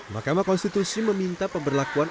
mahkamah konstitusi meminta pemberlakuan